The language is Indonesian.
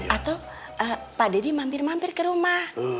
atau pak deddy mampir mampir ke rumah